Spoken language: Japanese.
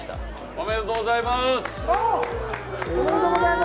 ありがとうございます。